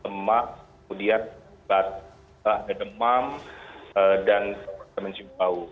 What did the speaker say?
lemak kemudian ada demam dan kemencium bau